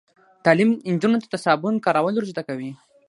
تعلیم نجونو ته د صابون کارول ور زده کوي.